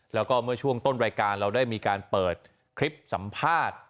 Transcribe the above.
แล้วก็เมื่อช่วงต้นรายการเราได้มีการเปิดคลิปสัมภาษณ์